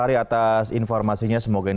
itu untuk kesiap siakan